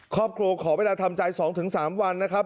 ครอบครัวขอเวลาทำใจ๒๓วันนะครับ